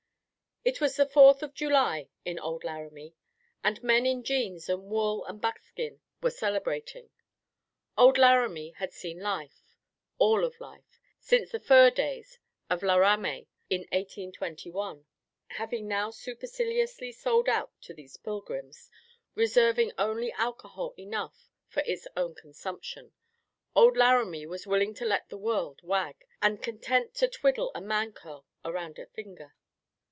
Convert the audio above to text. It was the Fourth of July in Old Laramie, and men in jeans and wool and buckskin were celebrating. Old Laramie had seen life all of life, since the fur days of La Ramée in 1821. Having now superciliously sold out to these pilgrims, reserving only alcohol enough for its own consumption, Old Laramie was willing to let the world wag, and content to twiddle a man curl around a finger.